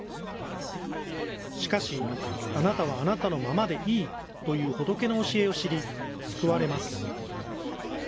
しかし、あなたはあなたのままでいいという仏の教えを知り、救われます。